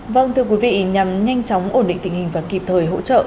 vâng thưa quý vị nhằm nhanh chóng ổn định tình hình và kịp thời hỗ trợ